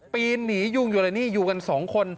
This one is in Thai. ปีนหนียุ่งอยู่เลยนี่อยู่กันสองคน